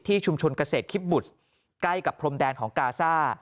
ชุมชนเกษตรคิปบุชใกล้กับพรมแดนของกาซ่า